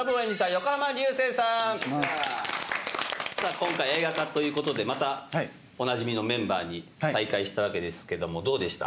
今回映画化ということでまたおなじみのメンバーに再会したわけですけどもどうでした？